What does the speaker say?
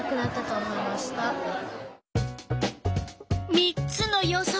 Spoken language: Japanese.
３つの予想